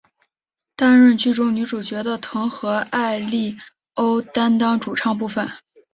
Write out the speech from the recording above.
担任剧中女主角的藤和艾利欧担当主唱部分。